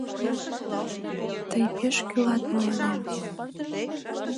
Тый пеш кӱлат мыланем.